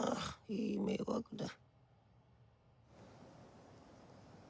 いい迷惑だ。